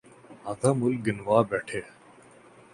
آدھا ملک گنوا بیٹھے۔